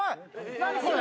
何これ！